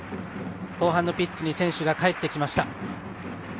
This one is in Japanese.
後半のピッチに選手が帰ってきました。